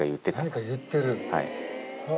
何か言ってる。